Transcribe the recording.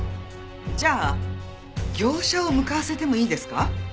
じゃあ業者を向かわせてもいいですか？